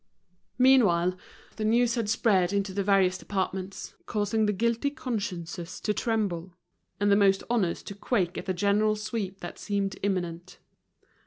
Meanwhile the news had spread into the various departments, causing the guilty consciences to tremble, and the most honest ones to quake at the general sweep that seemed imminent.